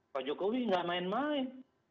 pak jokowi nggak main main